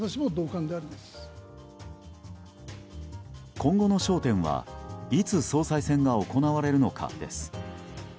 今後の焦点はいつ総裁選が行われるのかです。